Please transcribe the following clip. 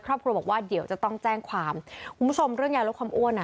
ครอบครัวบอกว่าเดี๋ยวจะต้องแจ้งความคุณผู้ชมเรื่องยาลดความอ้วนอ่ะ